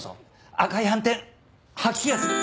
赤い斑点吐き気がする。